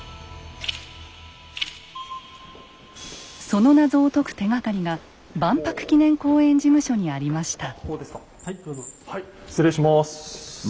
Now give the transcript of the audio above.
その謎を解く手がかりが万博記念公園事務所にありました。